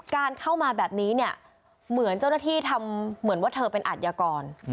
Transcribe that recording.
การเข้ามาแบบนี้เนี่ยเหมือนเจ้าหน้าที่ทำเหมือนว่าเธอเป็นอาทยากร